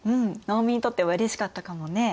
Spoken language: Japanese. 農民にとってはうれしかったかもね。